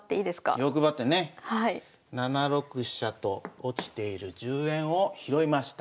欲張ってね７六飛車と落ちている１０円を拾いました。